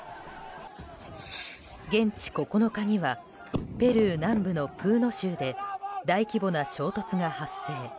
現地９日にはペルー南部のプーノ州で大規模な衝突が発生。